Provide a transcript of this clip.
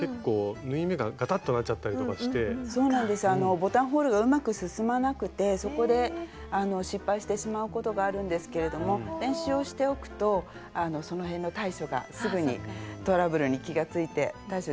ボタンホールがうまく進まなくてそこで失敗してしまうことがあるんですけれども練習をしておくとその辺の対処がすぐにトラブルに気がついて対処できると思います。